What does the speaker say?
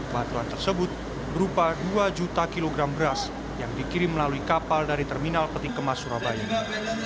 bantuan tersebut berupa dua juta kilogram beras yang dikirim melalui kapal dari terminal peti kemas surabaya ini